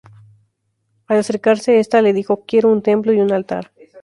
Al acercarse esta le dijo: "Quiero un templo y un altar".